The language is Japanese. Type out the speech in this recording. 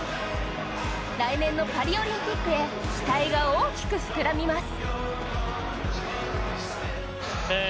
来年のパリオリンピックへ期待が大きく膨らみます。